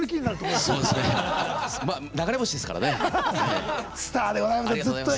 まあ、流れ星ですからね。